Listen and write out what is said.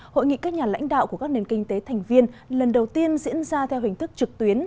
hội nghị các nhà lãnh đạo của các nền kinh tế thành viên lần đầu tiên diễn ra theo hình thức trực tuyến